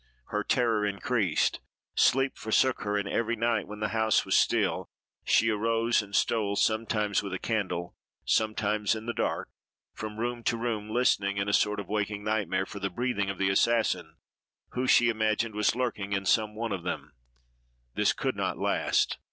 Her terror increased. Sleep forsook her; and every night, when the house was still, she arose and stole, sometimes with a candle, sometimes in the dark, from room to room, listening, in a sort of waking nightmare, for the breathing of the assassin, who, she imagined, was lurking in some one of them. This could not last.